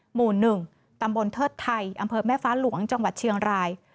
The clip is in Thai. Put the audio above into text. หมู่๑ตำบลเทิดไทยอำเภอแม่ฟ้าหลวงจังหวัดเชียงราย